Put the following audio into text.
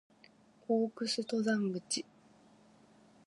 大楠登山口